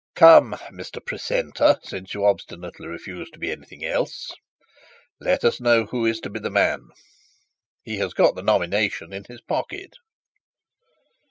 'Come, Mr Precentor, since you obstinately refuse to be anything else, let us know who is to be the man. He has got the nomination in his pocket.'